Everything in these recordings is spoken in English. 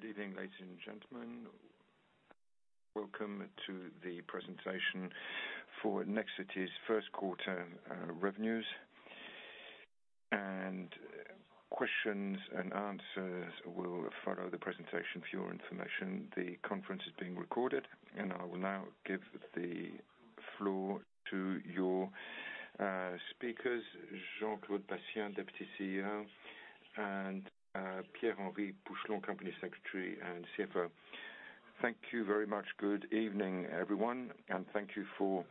Good evening, ladies and gentlemen. Welcome to the presentation for Nexity's first quarter revenues. Questions and answers will follow the presentation for your information. The conference is being recorded, and I will now give the floor to your speakers, Jean-Claude Bassien, Deputy CEO, and Pierre-Henry Pouchelon, Company Secretary and CFO. Thank you very much. Good evening, everyone, and thank you for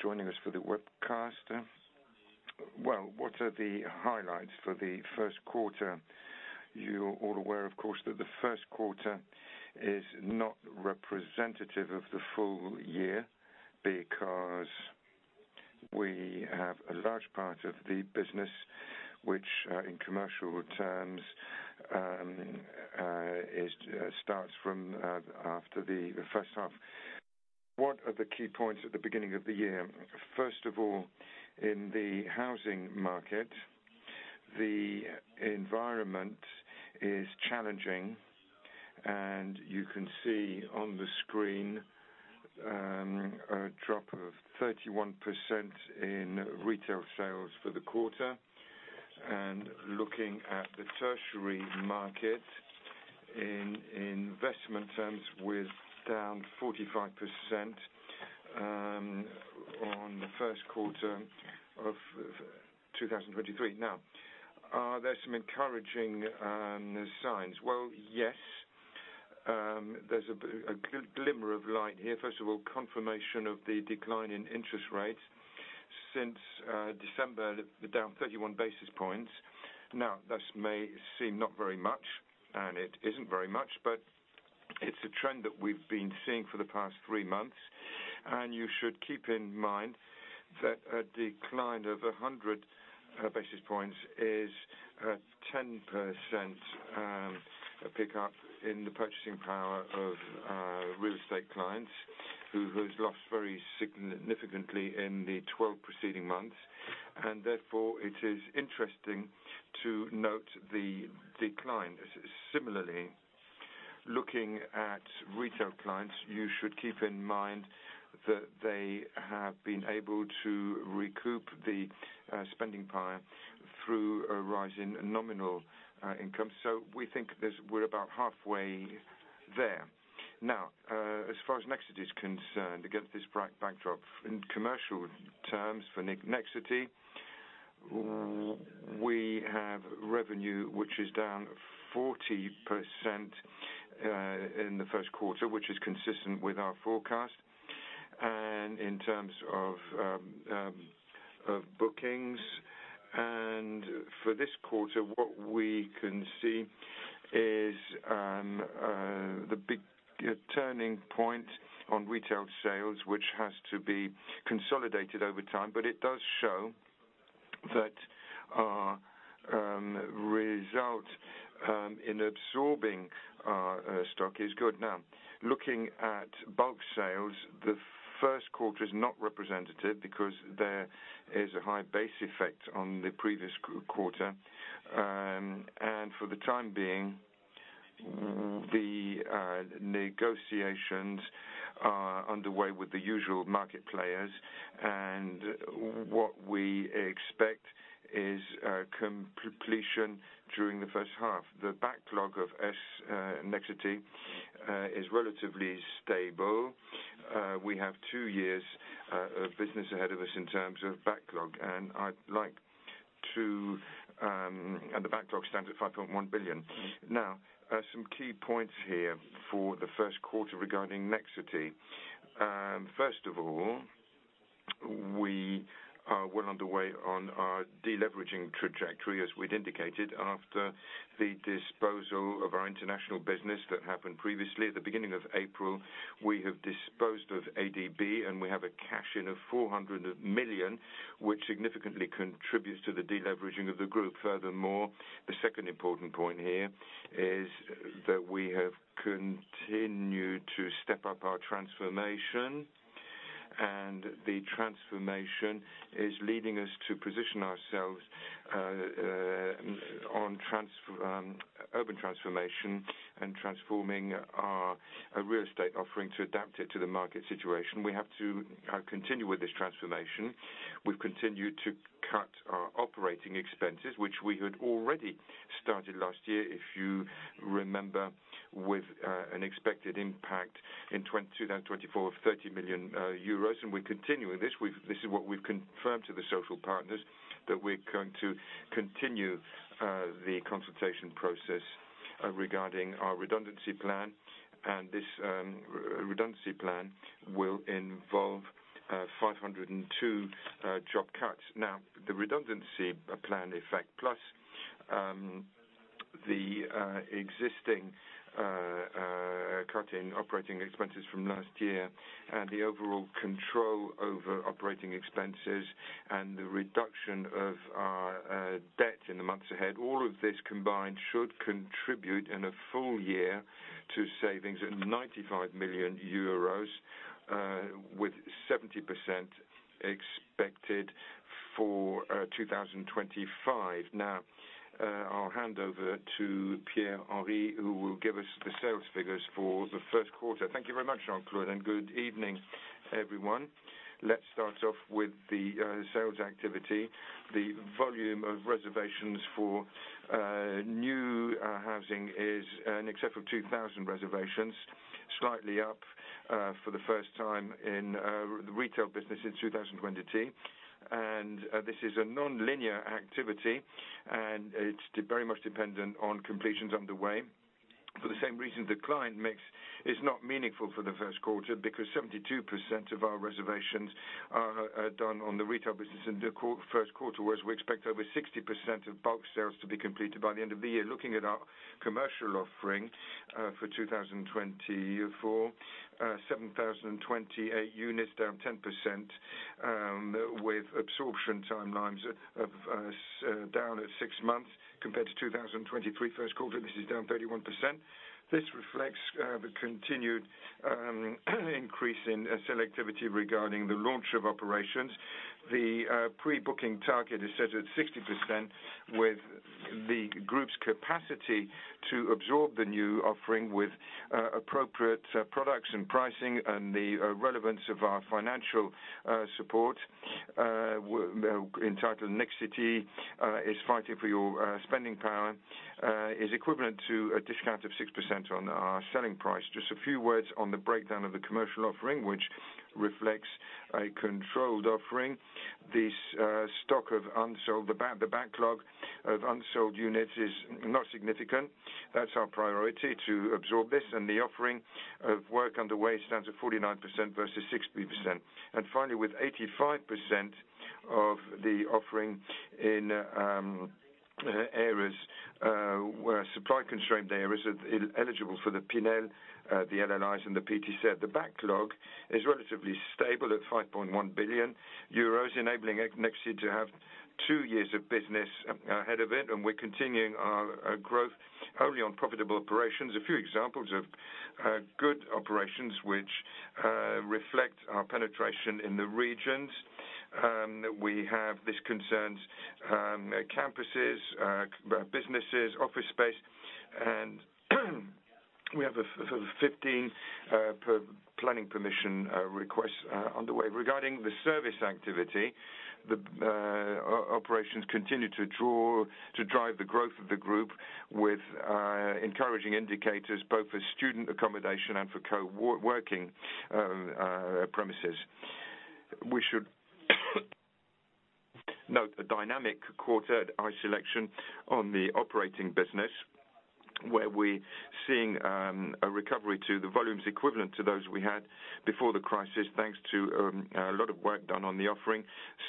joining us for the webcast. Well, what are the highlights for the first quarter? You're all aware, of course, that the first quarter is not representative of the full year, because we have a large part of the business, which in commercial terms starts from after the first half. What are the key points at the beginning of the year? First of all, in the housing market, the environment is challenging, and you can see on the screen a drop of 31% in retail sales for the quarter. Looking at the tertiary market in investment terms, with down 45%, on the first quarter of 2023. Now, are there some encouraging signs? Well, yes. There's a glimmer of light here. First of all, confirmation of the decline in interest rates since December, down 31 basis points. Now, this may seem not very much, and it isn't very much, but it's a trend that we've been seeing for the past three months, and you should keep in mind that a decline of 100 basis points is a 10% pickup in the purchasing power of real estate clients, who's lost very significantly in the 12 preceding months, and therefore, it is interesting to note the decline. Similarly, looking at retail clients, you should keep in mind that they have been able to recoup the spending power through a rise in nominal income. So we think this, we're about halfway there. Now, as far as Nexity is concerned, against this bright backdrop, in commercial terms for Nexity, we have revenue, which is down 40% in the first quarter, which is consistent with our forecast, and in terms of bookings. For this quarter, what we can see is the big turning point on retail sales, which has to be consolidated over time, but it does show that our result in absorbing our stock is good. Now, looking at bulk sales, the first quarter is not representative because there is a high base effect on the previous quarter. For the time being, the negotiations are underway with the usual market players, and what we expect is completion during the first half. The backlog of Nexity is relatively stable. We have two years of business ahead of us in terms of backlog, and I'd like to. And the backlog stands at 5.1 billion. Now, some key points here for the first quarter regarding Nexity. First of all, we are well underway on our de-leveraging trajectory, as we'd indicated. After the disposal of our international business that happened previously at the beginning of April, we have disposed of ADB, and we have a cash-in of 400 million, which significantly contributes to the de-leveraging of the group. Furthermore, the second important point here is that we have continued to step up our transformation, and the transformation is leading us to position ourselves on urban transformation and transforming our real estate offering to adapt it to the market situation. We have to continue with this transformation. We've continued to cut our operating expenses, which we had already started last year, if you remember, with an expected impact in 2022 and 2024, 30 million euros, and we continue with this. This is what we've confirmed to the social partners, that we're going to continue the consultation process regarding our redundancy plan, and this redundancy plan will involve 502 job cuts. Now, the redundancy plan effect, plus the existing cut in operating expenses from last year and the overall control over operating expenses and the reduction of our debt in the months ahead, all of this combined should contribute in a full year to savings of 95 million euros, with 70% expected for 2025. Now, I'll hand over to Pierre-Henry, who will give us the sales figures for the first quarter. Thank you very much, Jean-Claude, and good evening, everyone. Let's start off with the sales activity. The volume of reservations for new housing is in excess of 2,000 reservations, slightly up for the first time in the retail business since 2020. And this is a nonlinear activity, and it's very much dependent on completions underway. For the same reason, the client mix is not meaningful for the first quarter, because 72% of our reservations are done on the retail business in the first quarter, whereas we expect over 60% of bulk sales to be completed by the end of the year. Looking at our commercial offering, for 2024, 7,028 units, down 10%, with absorption timelines down at six months compared to 2023 first quarter, this is down 31%. This reflects the continued increase in selectivity regarding the launch of operations. The pre-booking target is set at 60%, with the group's capacity to absorb the new offering with appropriate products and pricing, and the relevance of our financial support entitled Nexity is fighting for your spending power is equivalent to a discount of 6% on our selling price. Just a few words on the breakdown of the commercial offering, which reflects a controlled offering. This stock of unsold, the backlog of unsold units is not significant. That's our priority, to absorb this, and the offering of work underway stands at 49% versus 60%. Finally, with 85% of the offering in areas where supply-constrained areas are eligible for the Pinel, the LLI and the PTZ. The backlog is relatively stable at 5.1 billion euros, enabling Nexity to have two years of business ahead of it, and we're continuing our growth only on profitable operations. A few examples of good operations which reflect our penetration in the regions, we have this concerns, campuses, businesses, office space, and we have a fifteen per planning permission requests underway. Regarding the service activity, the operations continue to draw, to drive the growth of the group with encouraging indicators, both for student accommodation and for co-working premises. We should note a dynamic quarter at iSelection on the operating business, where we're seeing a recovery to the volumes equivalent to those we had before the crisis, thanks to a lot of work done on the offering.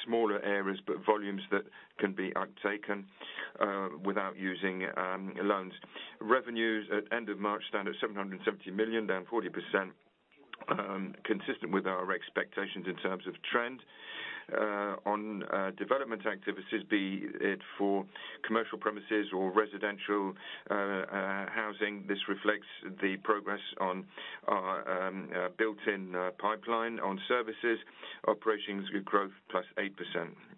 Smaller areas, but volumes that can be uptaken without using loans. Revenues at end of March stand at 770 million, down 40%, consistent with our expectations in terms of trend. On development activities, be it for commercial premises or residential housing, this reflects the progress on our built-in pipeline on services, operations, good growth, +8%,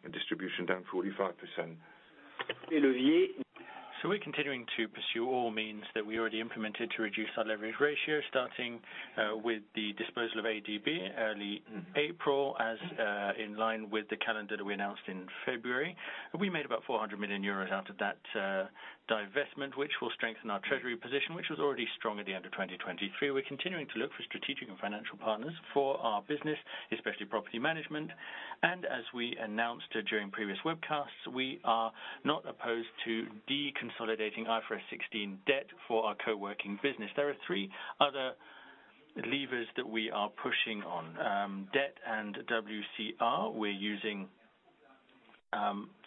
and distribution down 45%. Delevier? [inaudible] So we're continuing to pursue all means that we already implemented to reduce our leverage ratio, starting with the disposal of ADB early April, as in line with the calendar that we announced in February. We made about 400 million euros out of that divestment, which will strengthen our treasury position, which was already strong at the end of 2023. We're continuing to look for strategic and financial partners for our business, especially property management. And as we announced during previous webcasts, we are not opposed to deconsolidating IFRS 16 debt for our coworking business. There are three other levers that we are pushing on, debt and WCR. We're using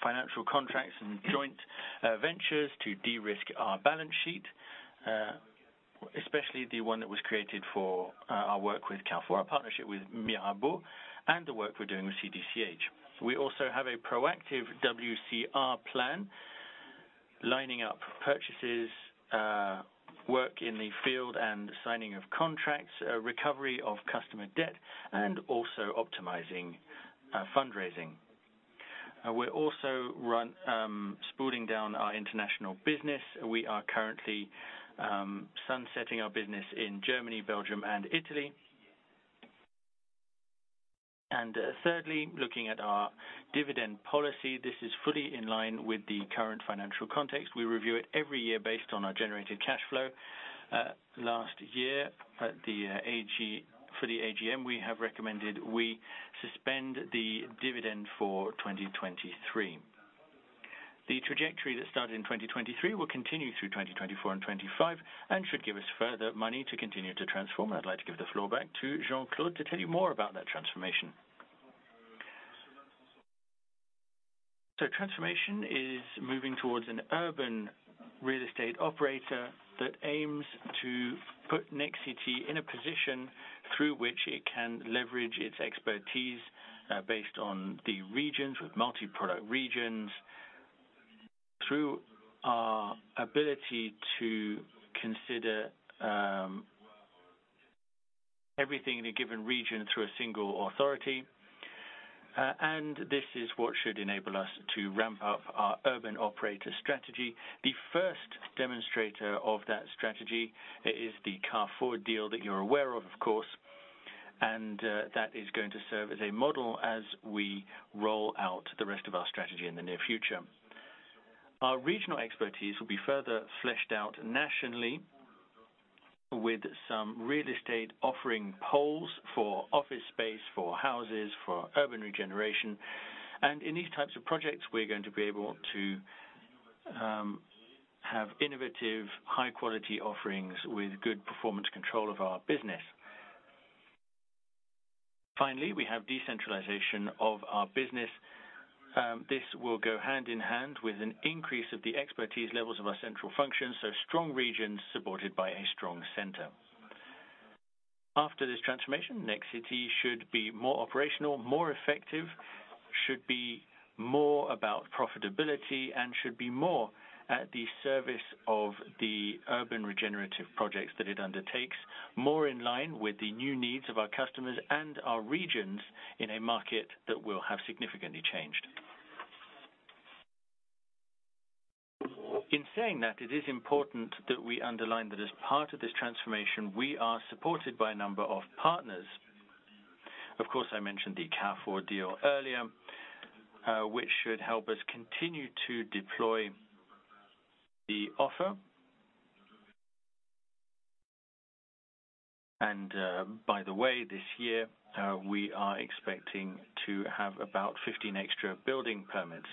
financial contracts and joint ventures to de-risk our balance sheet, especially the one that was created for our work with Carrefour, our partnership with Mirabaud, and the work we're doing with CDCH. We also have a proactive WCR plan, lining up purchases, work in the field, and signing of contracts, recovery of customer debt, and also optimizing fundraising. We're also winding down our international business. We are currently sunsetting our business in Germany, Belgium, and Italy. Thirdly, looking at our dividend policy, this is fully in line with the current financial context. We review it every year based on our generated cash flow. Last year, at the AGM, we have recommended we suspend the dividend for 2023. The trajectory that started in 2023 will continue through 2024 and 2025, and should give us further money to continue to transform. I'd like to give the floor back to Jean-Claude to tell you more about that transformation. So transformation is moving towards an urban real estate operator that aims to put Nexity in a position through which it can leverage its expertise, based on the regions, with multi-product regions. Through our ability to consider,... everything in a given region through a single authority. And this is what should enable us to ramp up our urban operator strategy. The first demonstrator of that strategy is the Carrefour deal that you're aware of, of course, and that is going to serve as a model as we roll out the rest of our strategy in the near future. Our regional expertise will be further fleshed out nationally with some real estate offering poles for office space, for houses, for urban regeneration. And in these types of projects, we're going to be able to have innovative, high quality offerings with good performance control of our business. Finally, we have decentralization of our business. This will go hand in hand with an increase of the expertise levels of our central functions, so strong regions supported by a strong center. After this transformation, Nexity should be more operational, more effective, should be more about profitability, and should be more at the service of the urban regenerative projects that it undertakes. More in line with the new needs of our customers and our regions in a market that will have significantly changed. In saying that, it is important that we underline that as part of this transformation, we are supported by a number of partners. Of course, I mentioned the Carrefour deal earlier, which should help us continue to deploy the offer. By the way, this year, we are expecting to have about 15 extra building permits.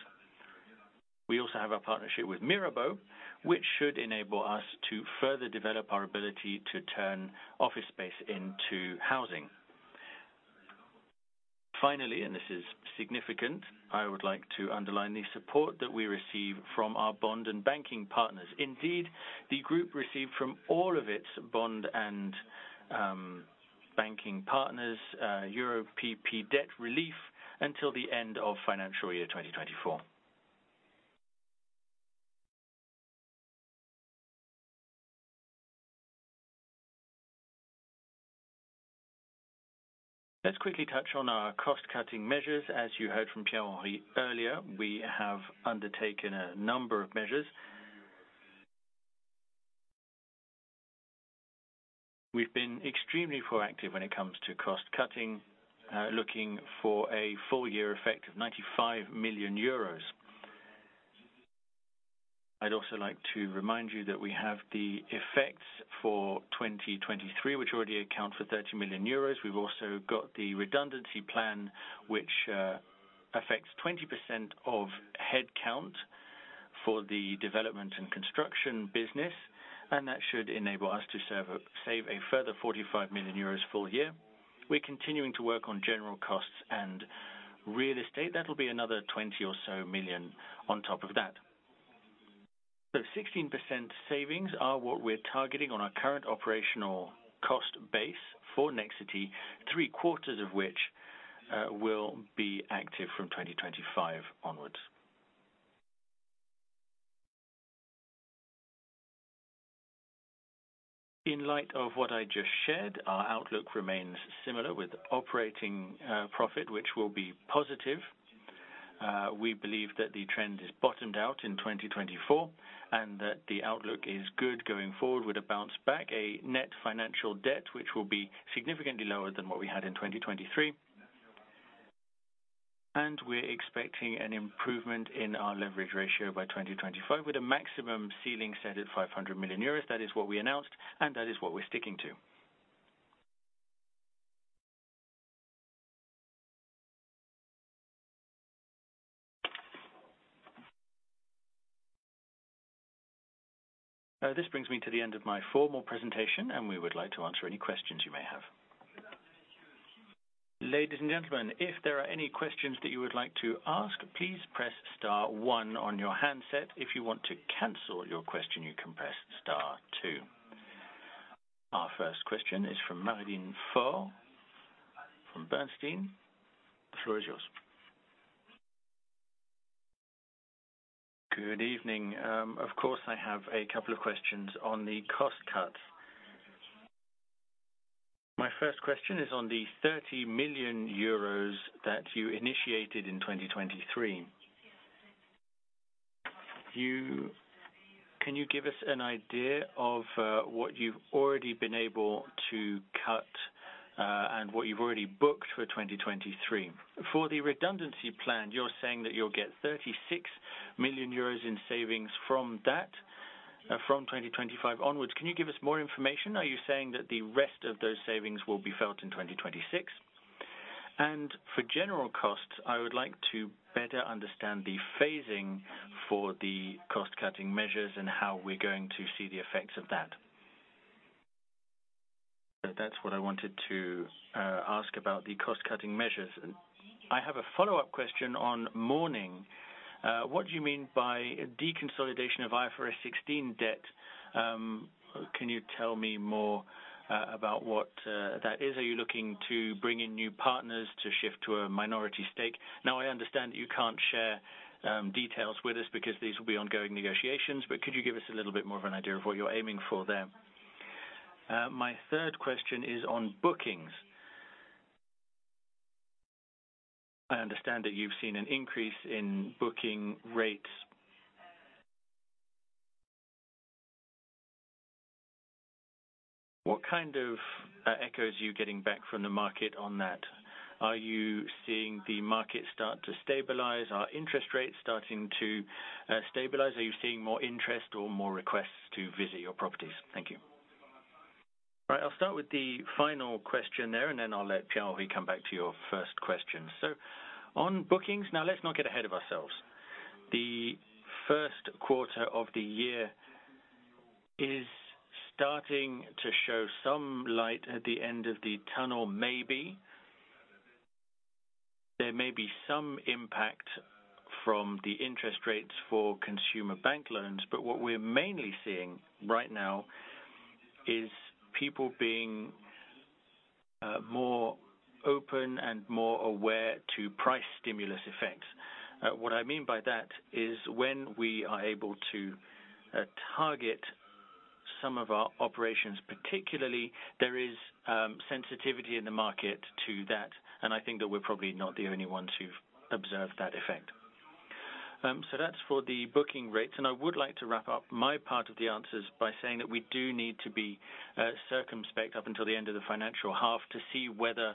We also have a partnership with Mirabaud, which should enable us to further develop our ability to turn office space into housing. Finally, and this is significant, I would like to underline the support that we receive from our bond and banking partners. Indeed, the group received from all of its bond and banking partners Euro PP debt relief until the end of financial year 2024. Let's quickly touch on our cost-cutting measures. As you heard from Pierre-Henry earlier, we have undertaken a number of measures. We've been extremely proactive when it comes to cost cutting, looking for a full year effect of 95 million euros. I'd also like to remind you that we have the effects for 2023, which already account for 30 million euros. We've also got the redundancy plan, which affects 20% of headcount for the development and construction business, and that should enable us to save a further 45 million euros full year. We're continuing to work on general costs and real estate. That'll be another 20 or so million on top of that. So 16% savings are what we're targeting on our current operational cost base for Nexity, three quarters of which will be active from 2025 onwards. In light of what I just shared, our outlook remains similar with operating profit, which will be positive. We believe that the trend is bottomed out in 2024, and that the outlook is good going forward with a bounce back, a net financial debt, which will be significantly lower than what we had in 2023. And we're expecting an improvement in our leverage ratio by 2025, with a maximum ceiling set at 500 million euros. That is what we announced, and that is what we're sticking to. This brings me to the end of my formal presentation, and we would like to answer any questions you may have. Ladies and gentlemen, if there are any questions that you would like to ask, please press star one on your handset. If you want to cancel your question, you can press star two. Our first question is from Marilyn Feau, from Bernstein. The floor is yours. Good evening. Of course, I have a couple of questions on the cost cuts. My first question is on the 30 million euros that you initiated in 2023. You... Can you give us an idea of what you've already been able to cut, and what you've already booked for 2023? For the redundancy plan, you're saying that you'll get 36 million euros in savings from that, from 2025 onwards. Can you give us more information? Are you saying that the rest of those savings will be felt in 2026? For general costs, I would like to better understand the phasing for the cost-cutting measures and how we're going to see the effects of that. That's what I wanted to ask about the cost-cutting measures. I have a follow-up question on Morning. What do you mean by deconsolidation of IFRS 16 debt? Can you tell me more about what that is? Are you looking to bring in new partners to shift to a minority stake? Now, you can't share details with us because these will be ongoing negotiations, but could you give us a little bit more of an idea of what you're aiming for there? My third question is on bookings. I understand that you've seen an increase in booking rates. What kind of echo is you getting back from the market on that? Are you seeing the market start to stabilize? Are interest rates starting to stabilize? Are you seeing more interest or more requests to visit your properties? Thank you. Right, I'll start with the final question there, and then I'll let Pierre-Henry come back to your first question. So on bookings, now let's not get ahead of ourselves. The first quarter of the year is starting to show some light at the end of the tunnel maybe. There may be some impact from the interest rates for consumer bank loans, but what we're mainly seeing right now is people being more open and more aware to price stimulus effects. What I mean by that is when we are able to target some of our operations, particularly, there is sensitivity in the market to that, and I think that we're probably not the only ones who've observed that effect. So that's for the booking rates, and I would like to wrap up my part of the answers by saying that we do need to be circumspect up until the end of the financial half to see whether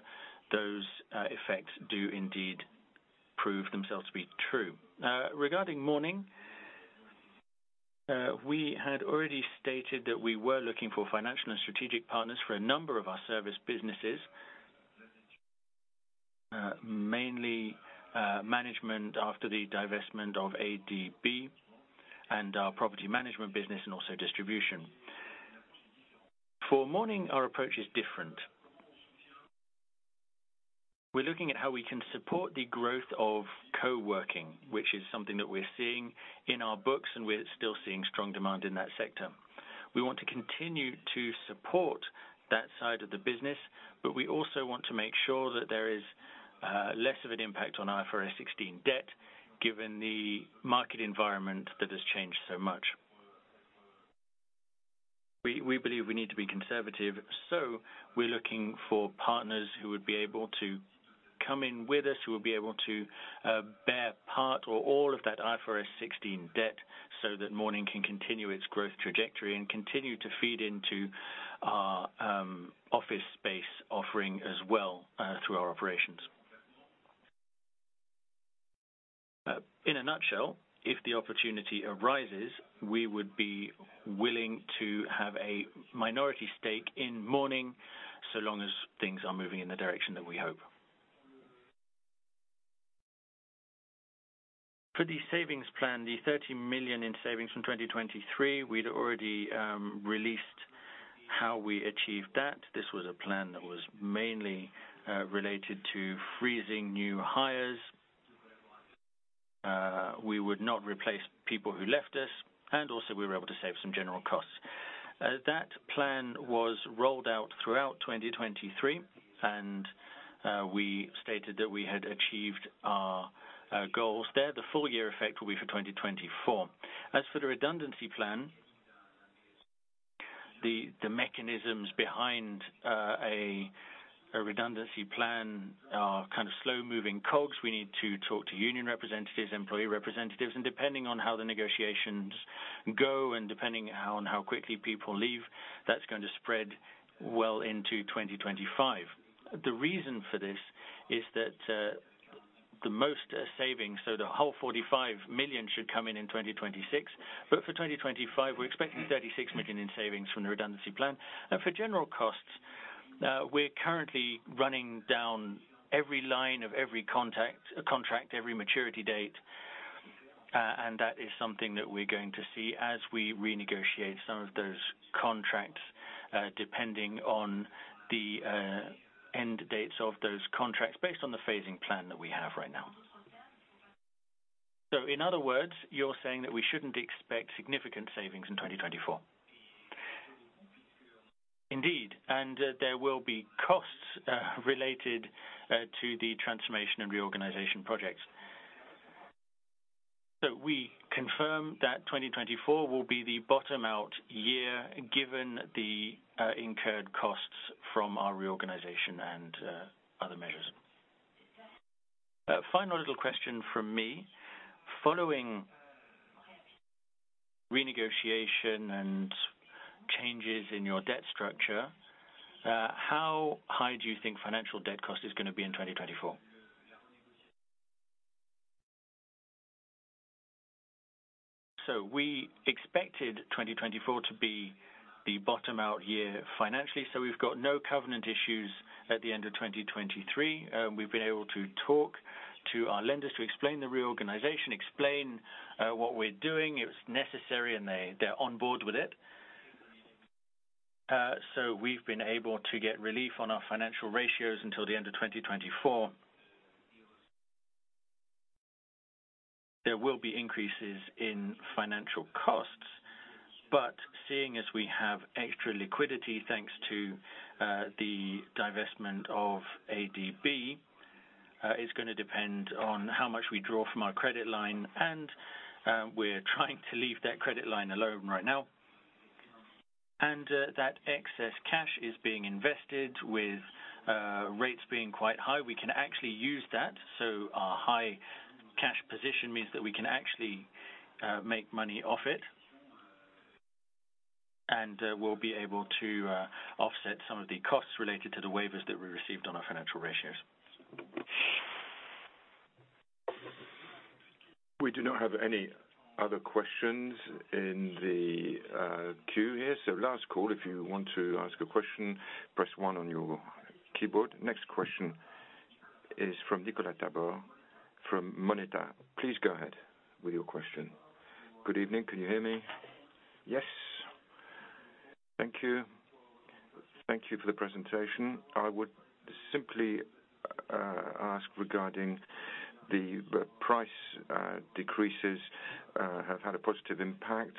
those effects do indeed prove themselves to be true. Regarding Morning, we had already stated that we were looking for financial and strategic partners for a number of our service businesses, mainly management after the divestment of ADB and our property management business and also distribution. For Morning, our approach is different. We're looking at how we can support the growth of co-working, which is something that we're seeing in our books, and we're still seeing strong demand in that sector. We want to continue to support that side of the business, but we also want to make sure that there is less of an impact on IFRS 16 debt, given the market environment that has changed so much. We believe we need to be conservative, so we're looking for partners who would be able to come in with us, who will be able to bear part or all of that IFRS 16 debt, so that Morning can continue its growth trajectory and continue to feed into our office space offering as well through our operations. In a nutshell, if the opportunity arises, we would be willing to have a minority stake in Morning, so long as things are moving in the direction that we hope. For the savings plan, the 30 million in savings from 2023, we'd already released how we achieved that. This was a plan that was mainly related to freezing new hires. We would not replace people who left us, and also we were able to save some general costs. That plan was rolled out throughout 2023, and we stated that we had achieved our goals there. The full year effect will be for 2024. As for the redundancy plan, the mechanisms behind a redundancy plan are kind of slow-moving cogs. We need to talk to union representatives, employee representatives, and depending on how the negotiations go and depending on how quickly people leave, that's going to spread well into 2025. The reason for this is that, the most, savings, so the whole 45 million should come in in 2026, but for 2025, we're expecting 36 million in savings from the redundancy plan. For general costs, we're currently running down every line of every contract, every maturity date, and that is something that we're going to see as we renegotiate some of those contracts, depending on the, end dates of those contracts, based on the phasing plan that we have right now. So in other words, you're saying that we shouldn't expect significant savings in 2024? Indeed, and there will be costs related to the transformation and reorganization projects. So we confirm that 2024 will be the bottom-out year, given the incurred costs from our reorganization and other measures. Final little question from me. Following renegotiation and changes in your debt structure, how high do you think financial debt cost is gonna be in 2024? So we expected 2024 to be the bottom-out year financially, so we've got no covenant issues at the end of 2023. We've been able to talk to our lenders to explain the reorganization, explain what we're doing. It was necessary, and they're on board with it. So we've been able to get relief on our financial ratios until the end of 2024. There will be increases in financial costs-... But seeing as we have extra liquidity, thanks to the divestment of ADB, is gonna depend on how much we draw from our credit line, and we're trying to leave that credit line alone right now. And that excess cash is being invested with rates being quite high. We can actually use that, so our high cash position means that we can actually make money off it. And we'll be able to offset some of the costs related to the waivers that we received on our financial ratios. We do not have any other questions in the queue here. So last call, if you want to ask a question, press one on your keyboard. Next question is from Nicolas Tabor from Moneta. Please go ahead with your question. Good evening. Can you hear me? Yes. Thank you. Thank you for the presentation. I would simply ask regarding the price decreases have had a positive impact.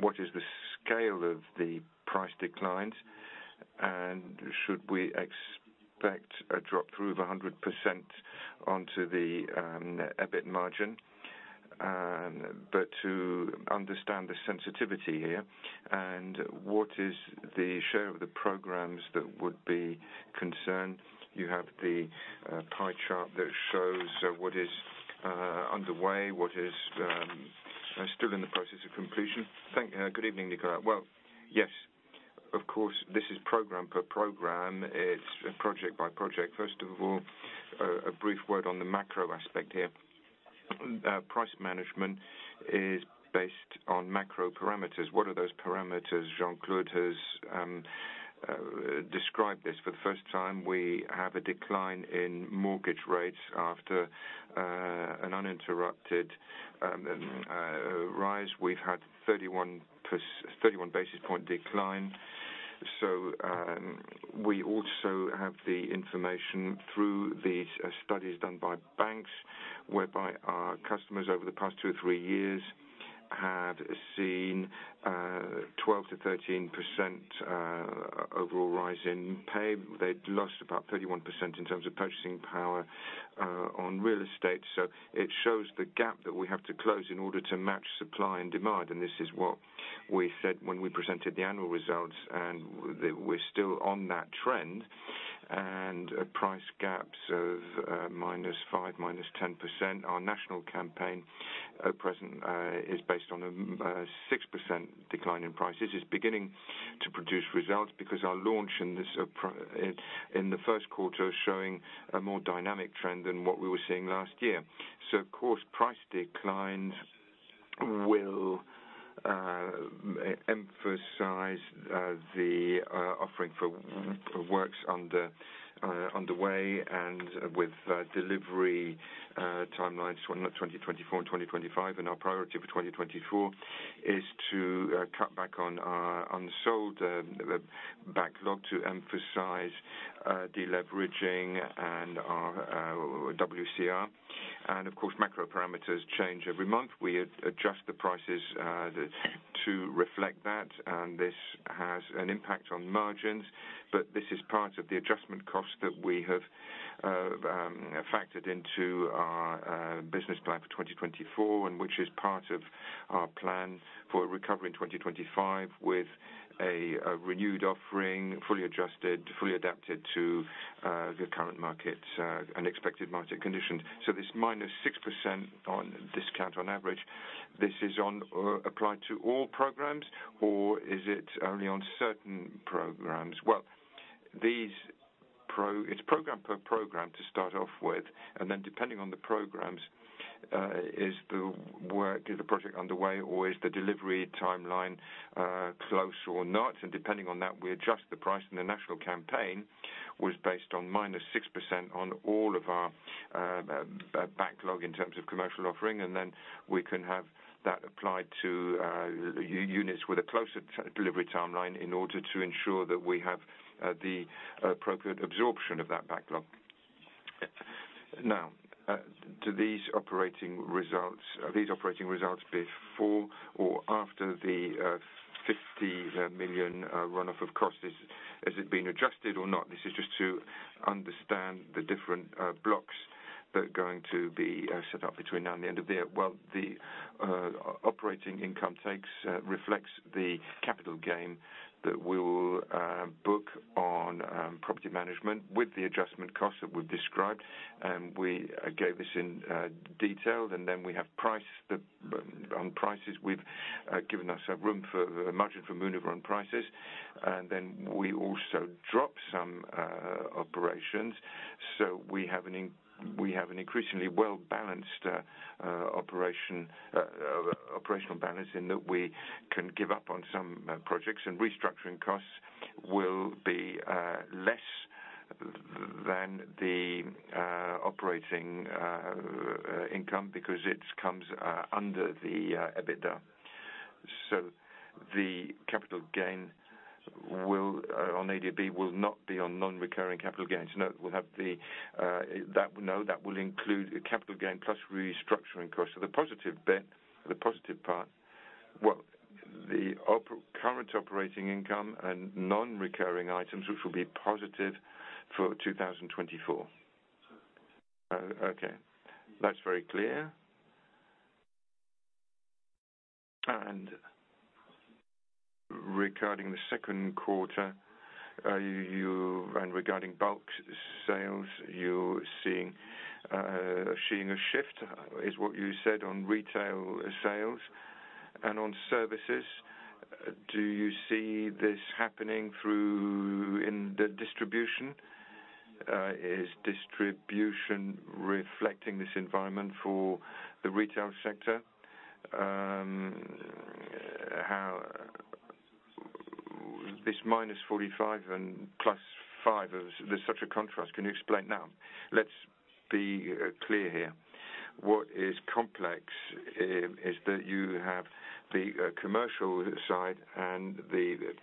What is the scale of the price decline? And should we expect a drop through of 100% onto the EBIT margin? But to understand the sensitivity here, and what is the share of the programs that would be concerned, you have the pie chart that shows what is underway, what is still in the process of completion. Thank, good evening, Nicolas. Well, yes, of course, this is program per program. It's project by project. First of all, a brief word on the macro aspect here. Price management is based on macro parameters. What are those parameters? Jean-Claude has described this for the first time. We have a decline in mortgage rates after an uninterrupted rise. We've had 31 basis point decline. So, we also have the information through these studies done by banks, whereby our customers over the past two or three years have seen 12%-13% overall rise in pay. They'd lost about 31% in terms of purchasing power on real estate. So it shows the gap that we have to close in order to match supply and demand, and this is what we said when we presented the annual results, and we're still on that trend. And price gaps of -5%, -10%. Our national campaign, at present, is based on a 6% decline in prices. It's beginning to produce results because our launch in the first quarter showing a more dynamic trend than what we were seeing last year. So of course, price declines will emphasize the offering for works underway and with delivery timelines, 2024 and 2025. And our priority for 2024 is to cut back on our unsold backlog, to emphasize deleveraging and our WCR. And of course, macro parameters change every month. We adjust the prices to reflect that, and this has an impact on margins, but this is part of the adjustment cost that we have factored into our business plan for 2024, and which is part of our plan for recovery in 2025, with a renewed offering, fully adjusted, fully adapted to the current market and expected market conditions. So this -6% discount on average, this is on applied to all programs, or is it only on certain programs? Well, It's program per program to start off with, and then, depending on the programs, is the work, is the project underway, or is the delivery timeline close or not? Depending on that, we adjust the price, and the national campaign was based on -6% on all of our backlog in terms of commercial offering, and then we can have that applied to units with a closer delivery timeline in order to ensure that we have the appropriate absorption of that backlog. Now, do these operating results, are these operating results before or after the 50 million run off of costs? Has it been adjusted or not? This is just to understand the different blocks that are going to be set up between now and the end of the year. Well, the operating income takes reflects the capital gain that we will book on property management with the adjustment costs that we've described, and we gave this in detail. And then we have price, on prices, we've given ourselves room for margin for maneuver on prices, and then we also dropped some operations. So we have an increasingly well-balanced operation, operational balance in that we can give up on some projects, and restructuring costs will be less than the operating income, because it comes under the EBITDA. So the capital gain on ADB will not be on non-recurring capital gains? No, we'll have that. No, that will include a capital gain plus restructuring costs. So the positive bit, the positive part, well, the current operating income and non-recurring items, which will be positive for 2024. Okay, that's very clear. And regarding the second quarter, and regarding bulk sales, you're seeing a shift, is what you said on retail sales and on services. Do you see this happening through in the distribution? Is distribution reflecting this environment for the retail sector? This -45 and +5, there's such a contrast. Can you explain? Now, let's be clear here. What is complex is that you have the commercial side and the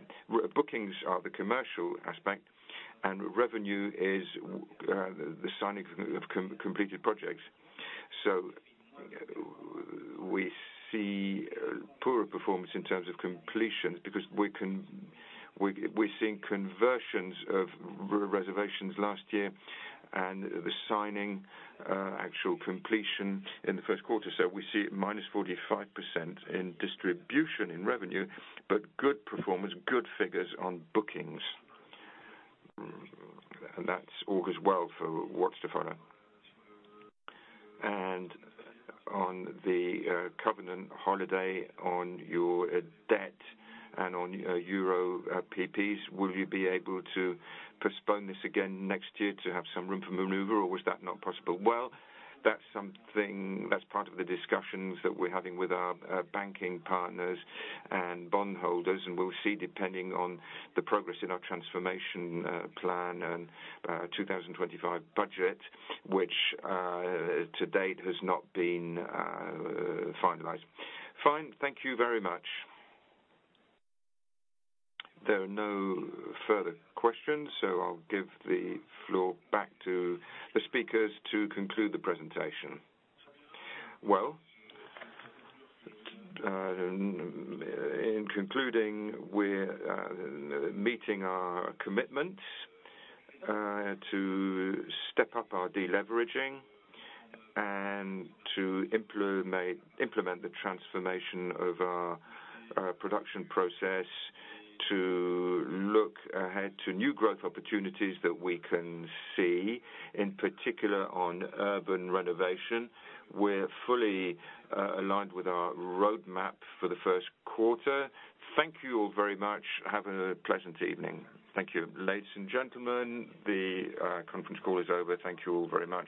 bookings are the commercial aspect, and revenue is the signing of completed projects. So we see poorer performance in terms of completions, because we're seeing conversions of reservations last year and the signing, actual completion in the first quarter. So we see -45% in distribution, in revenue, but good performance, good figures on bookings. And that's augurs well for what's to follow. And on the covenant holiday, on your debt and on Euro PP, will you be able to postpone this again next year to have some room for maneuver, or was that not possible? Well, that's something... That's part of the discussions that we're having with our banking partners and bondholders, and we'll see, depending on the progress in our transformation plan and 2025 budget, which to date has not been finalized. Fine. Thank you very much. There are no further questions, so I'll give the floor back to the speakers to conclude the presentation. Well, in concluding, we're meeting our commitments to step up our deleveraging and to implement the transformation of our production process to look ahead to new growth opportunities that we can see, in particular, on urban renovation. We're fully aligned with our roadmap for the first quarter. Thank you all very much. Have a pleasant evening. Thank you. Ladies and gentlemen, the conference call is over. Thank you all very much.